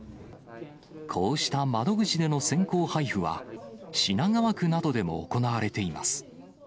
こうした窓口での先行配布は、品川区などでも行われています。